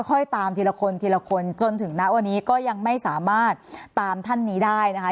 ตามทีละคนทีละคนจนถึงณวันนี้ก็ยังไม่สามารถตามท่านนี้ได้นะคะ